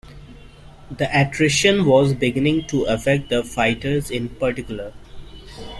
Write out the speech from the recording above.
The attrition was beginning to affect the fighters in particular.